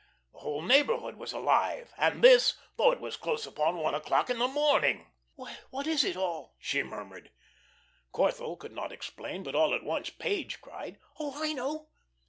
The whole neighbourhood was alive, and this, though it was close upon one o'clock in the morning! "Why, what is it all?" she murmured. Corthell could not explain, but all at once Page cried: "Oh, oh, I know.